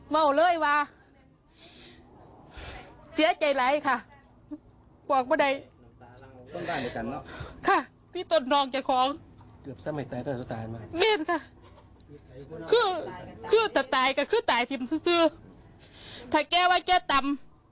มีค่ะคือคือตายกันคือตายทีมซื้อถ้าแกว่าแกตัำ